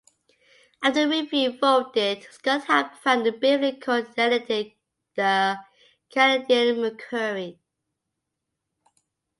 After the "Review" folded, Scott helped found and briefly co-edited "The Canadian Mercury".